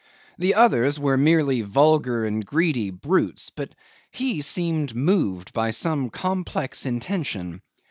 The others were merely vulgar and greedy brutes, but he seemed moved by some complex intention.